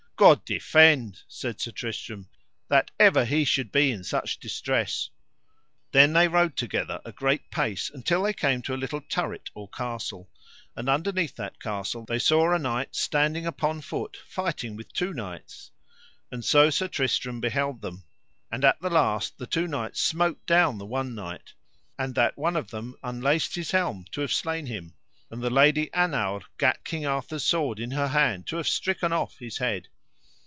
God defend, said Sir Tristram, that ever he should be in such distress. Then they rode together a great pace, until they came to a little turret or castle; and underneath that castle they saw a knight standing upon foot fighting with two knights; and so Sir Tristram beheld them, and at the last the two knights smote down the one knight, and that one of them unlaced his helm to have slain him. And the Lady Annowre gat King Arthur's sword in her hand to have stricken off his head.